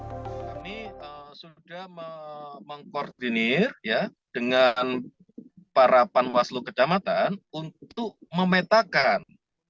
kami sudah mengkoordinir dengan para panwaslu kecamatan untuk memetakan